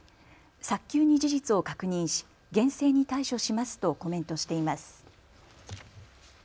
早急に事実を確認し厳正に対処しますとコメントしています。